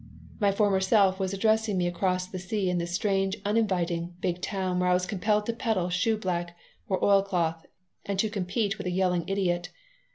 My former self was addressing me across the sea in this strange, uninviting, big town where I was compelled to peddle shoe black or oil cloth and to compete with a yelling idiot.